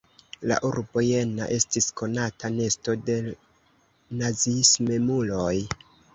La urbo Jena estis konata nesto de naziismemuloj.